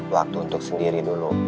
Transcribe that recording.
waktu untuk sendiri dulu